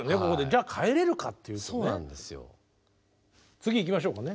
次行きましょうかね。